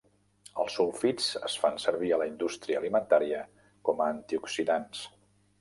Els sulfits es fan servir a la indústria alimentària com a antioxidants.